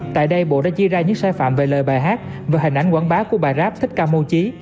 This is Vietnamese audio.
tại đây bộ đã chia ra những sai phạm về lời bài hát và hình ảnh quảng bá của bài rap thích ca mô trí